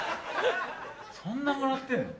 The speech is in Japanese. そんなもらってんの？